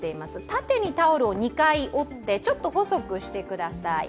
縦にタオルを２回折って、ちょっと細くしてください。